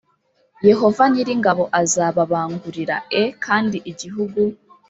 yehova nyir ingabo azababangurira e kandi igihugu